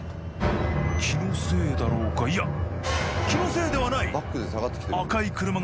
気のせいだろうかいや気のせいではない！